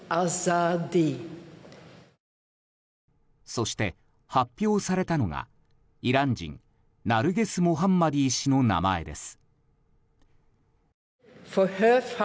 そして、発表されたのがイラン人ナルゲス・モハンマディ氏の名前です。